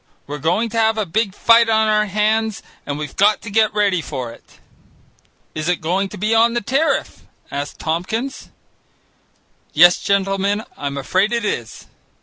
We're going to have a big fight on our hands and we've got to get ready for it." "Is it going to be on the tariff?" asked Tompkins. "Yes, gentlemen, I'm afraid it is.